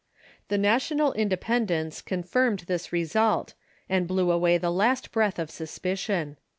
The na tional independence confirmed this result, and blew away the last breath of suspicion.